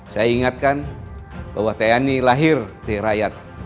saya ingatkan bahwa tni lahir dari rakyat